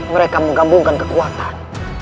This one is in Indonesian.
mereka menggambungkan kekuatan